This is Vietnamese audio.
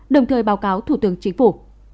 đồng thời báo cáo thủ tướng chính phủ